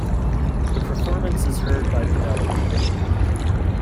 The performance is heard by Penelope.